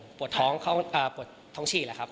ก็ปวดท้องเขาอ่าปวดท้องฉี่หรอครับ